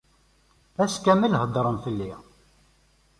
Ass kamel heddren fell-i.